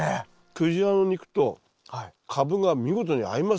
クジラの肉とカブが見事に合いますね。